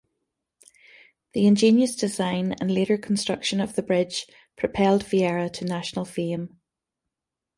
The ingenious design and later construction of the bridge propelled Viera to national fame.